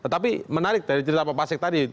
tapi menarik dari cerita pak pasek tadi